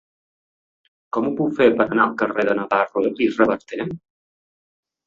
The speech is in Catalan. Com ho puc fer per anar al carrer de Navarro i Reverter?